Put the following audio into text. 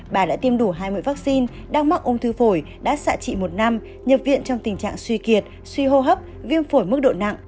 bà đã tiêm đủ hai mươi vaccine đang mắc ung thư phổi đã xạ trị một năm nhập viện trong tình trạng suy kiệt suy hô hấp viêm phổi mức độ nặng